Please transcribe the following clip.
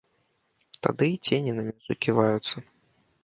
Тады і цені на мяжы ківаюцца.